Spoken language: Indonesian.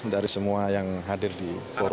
dari semua yang hadir di forum